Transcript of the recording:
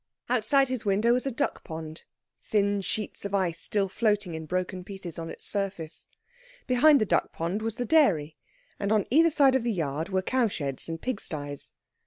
Outside his window was a duck pond, thin sheets of ice still floating in broken pieces on its surface; behind the duck pond was the dairy; and on either side of the yard were cow sheds and pig styes.